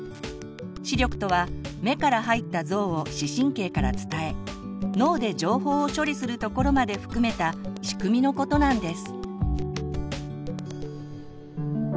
「視力」とは目から入った像を視神経から伝え脳で情報を処理するところまで含めた仕組みのことなんです。